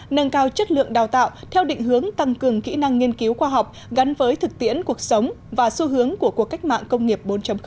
nâng cao chất lượng đào tạo theo định hướng tăng cường kỹ năng nghiên cứu khoa học gắn với thực tiễn cuộc sống và xu hướng của cuộc cách mạng công nghiệp bốn